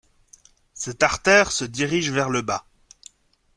Cette artère se dirige vers le bas.